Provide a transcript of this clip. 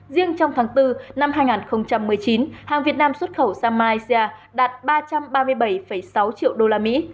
riêng trong tháng bốn năm hai nghìn một mươi chín hàng việt nam xuất khẩu sang malaysia đạt ba trăm ba mươi bảy sáu triệu đô la mỹ